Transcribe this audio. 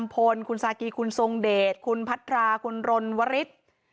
คุณอัมพลคุณซากีคุณทรงเดชคุณพัทราคุณรนด์วริษฐ์